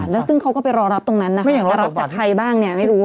แล้วซึ่งเขาก็ไปรอรับตรงนั้นนะคะรอรับจากใครบ้างเนี่ยไม่รู้